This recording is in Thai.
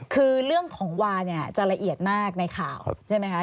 คือเรื่องของวาเนี่ยจะละเอียดมากในข่าวใช่ไหมคะ